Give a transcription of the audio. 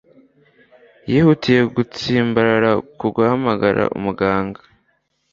yihutiye gutsimbarara ku guhamagara umuganga